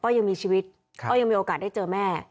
ยังมีชีวิตก็ยังมีโอกาสได้เจอแม่